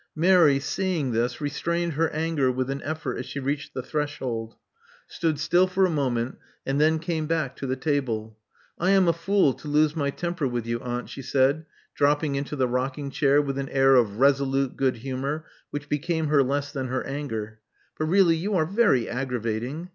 Mary, seeing this, restrained her anger with an effort as she reached the threshold; stood still for a moment ; and then came back to the table. I am a fool to lose my temper with you, aunt," she said, dropping into the rocking chair with an air of resolute good humor, which became her less than her anger; but really you are very aggravating.